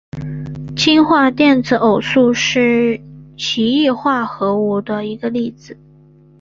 氢化电子偶素是奇异化合物的一个例子。